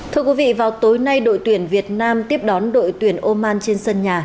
thưa quý vị vào tối nay đội tuyển việt nam tiếp đón đội tuyển oman trên sân nhà